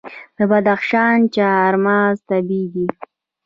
د بدخشان چهارمغز طبیعي دي.